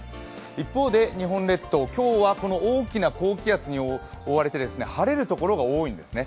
一方で日本列島、今日はこの大きな高気圧に覆われて晴れるところが多いんですね。